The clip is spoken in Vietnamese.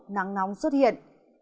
nắng nóng xuất hiện